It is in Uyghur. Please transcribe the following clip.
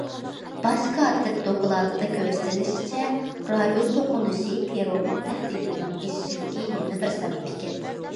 باش كاتىپ دوكلاتىدا كۆرسىتىلىشىچە، رايون توقۇنۇشى تېررورلۇق تەھدىتىنىڭ ئېشىشىدىكى يەنە بىر سەۋەب ئىكەن.